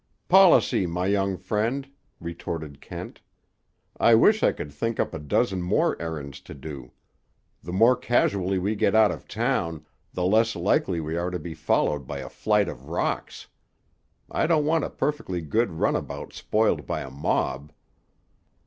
"Policy, my young friend," retorted Kent. "I wish I could think up a dozen more errands to do. The more casually we get out of town, the less likely we are to be followed by a flight of rocks. I don't want a perfectly good runabout spoiled by a mob."